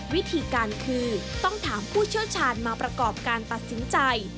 วิธีการคือต้องถามผู้เชี่ยวชาญมาประกอบการตัดสินใจ